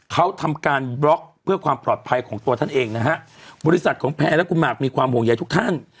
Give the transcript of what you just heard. เขาทำการบล็อกเพื่อความปลอดภัยของตัวท่านเองนะฮะบริษัทของแพรและคุณหมากมีความห่วงใยทุกท่าน